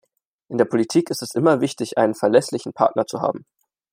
In der Politik ist es immer wichtig, einen verlässlichen Partner zu haben.